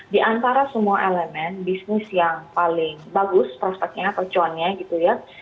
di antara semua elemen bisnis yang paling bagus prospeknya atau cuannya gitu ya